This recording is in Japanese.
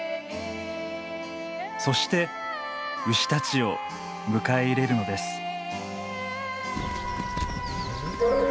そして牛たちを迎え入れるのです。